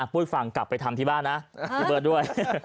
พูดฟังกลับไปทำที่บ้านนะพี่เบิร์ตด้วย